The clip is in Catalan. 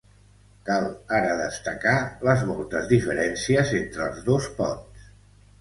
Cal ara destacar les moltes diferències entre els dos ponts.